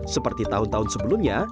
seperti tahun tahun sebelumnya